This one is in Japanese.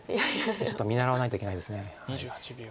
ちょっと見習わないといけないです。